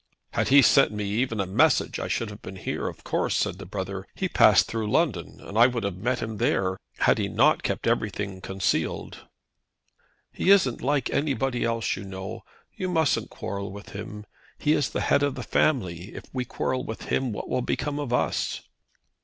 "Had he sent me even a message I should have been here, of course," said the brother. "He passed through London, and I would have met him there had he not kept everything concealed." "He isn't like anybody else, you know. You mustn't quarrel with him. He is the head of the family. If we quarrel with him, what will become of us?"